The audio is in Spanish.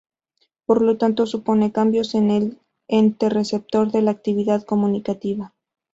Por lo tanto, supone cambios en el ente receptor de la actividad comunicativa.